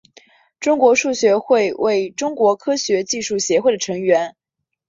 中国数学会为中国科学技术协会的成员。